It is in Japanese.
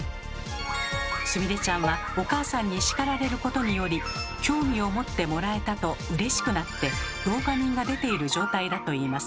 すみれちゃんはお母さんに叱られることにより興味を持ってもらえたとうれしくなってドーパミンが出ている状態だといいます。